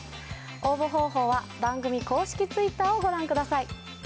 応募方法は番組公式Ｔｗｉｔｔｅｒをご覧ください。